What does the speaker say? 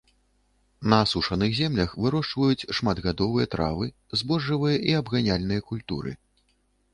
На асушаных землях вырошчваюць шматгадовыя травы, збожжавыя і абганяльныя культуры.